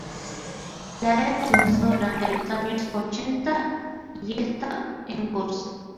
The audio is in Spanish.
La era comenzó durante los años ochenta y está en curso.